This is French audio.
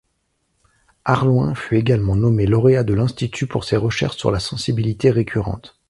Arloing fut également nommé lauréat de l'Institut pour ses recherches sur la sensibilité récurrente.